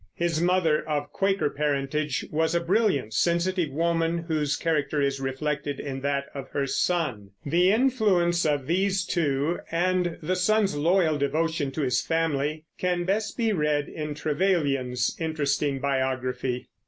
His mother, of Quaker parentage, was a brilliant, sensitive woman, whose character is reflected in that of her son. The influence of these two, and the son's loyal devotion to his family, can best be read in Trevelyan's interesting biography.